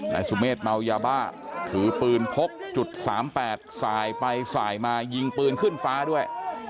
นายสุเมฆเมายาบ้าถือปืนพกจุด๓๘สายไปสายมายิงปืนขึ้นฟ้าด้วย